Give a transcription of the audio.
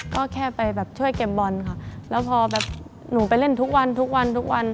ก็แค่ไปแบบช่วยเก็บบอลค่ะแล้วพอแบบหนูไปเล่นทุกวันทุกวันทุกวันทุกวัน